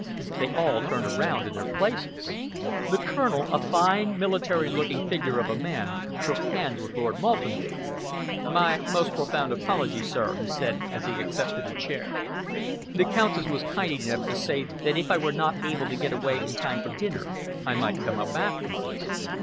They all turned around in their places. The colonel, a fine, military looking figure of a man, shook hands with Lord Maltenby. "My most profound apologies, sir," he said, as he accepted a chair. "The Countess was kind enough to say that if I were not able to get away in time for dinner, I might come up afterwards."